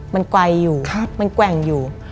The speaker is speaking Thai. มันไกลอยู่มันแกว่งอยู่